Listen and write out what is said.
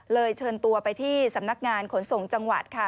เชิญตัวไปที่สำนักงานขนส่งจังหวัดค่ะ